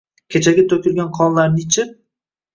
Kechagi to’kilgan qonlarni ichib